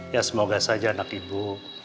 ya semoga saja anak ibu